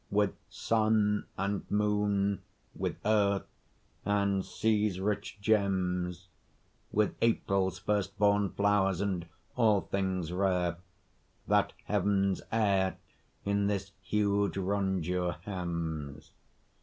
With sun and moon, with earth and sea's rich gems, With April's first born flowers, and all things rare, That heaven's air in this huge rondure hems.